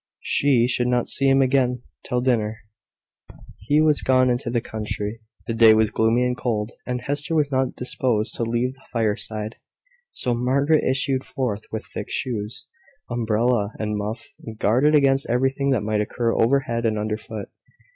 She should not see him again till dinner. He was gone into the country: the day was gloomy and cold, and Hester was not disposed to leave the fireside: so Margaret issued forth, with thick shoes, umbrella, and muff guarded against everything that might occur overhead and under foot.